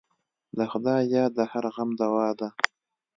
د خدای یاد د هر غم دوا ده.